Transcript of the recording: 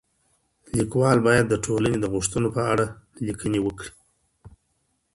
ليکوال بايد د ټولني د غوښتنو په اړه ليکنې وکړي.